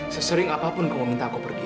sesering apapun kau minta aku pergi